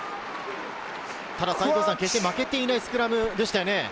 ただ決して負けていないスクラムでしたよね。